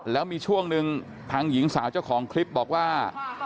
แล้วมีช่วงหนึ่งทางหญิงสาวเจ้าของคลิปบอกว่า